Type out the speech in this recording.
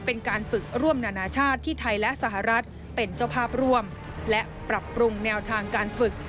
เป็นการฝึกร่วมนานาชาติที่ไทยและสหรัฐเป็นเจ้าภาพร่วมและปรับปรุงแนวทางการฝึก